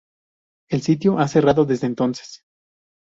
El sitio ha cerrado desde entonces.